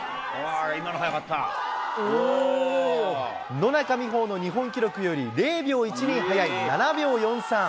野中生萌の日本記録より０秒１２はやい７秒４３。